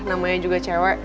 namanya juga cewek